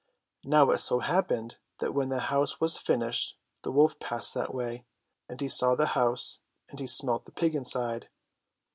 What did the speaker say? Now it so happened that when the house was finished the wolf passed that way ; and he saw the house, and he smelt the pig inside.